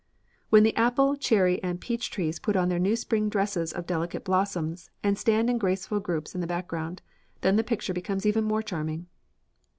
When the apple, cherry, and peach trees put on their new spring dresses of delicate blossoms and stand in graceful groups in the background, then the picture becomes even more charming.